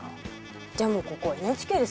でもここＮＨＫですよね